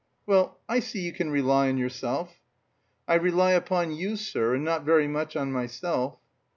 "Well, I see you can rely on yourself!" "I rely upon you, sir, and not very much on myself...."